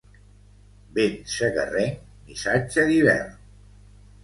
Vent segarrenc, missatger d'hivern.